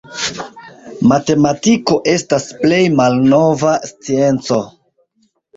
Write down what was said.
Matematiko estas plej malnova scienco.